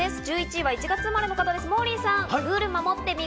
１１位は１月生まれの方です、モーリーさん。